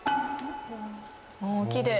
おおきれい。